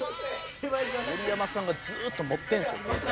「盛山さんがずっと持ってるんですよ携帯」